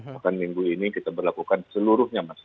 bahkan minggu ini kita berlakukan seluruhnya mas